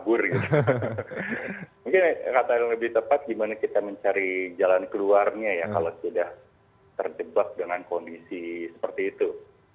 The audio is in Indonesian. mungkin kata yang lebih tepat gimana kita mencari jalan keluarnya ya kalau sudah terjebak dengan kondisi seperti itu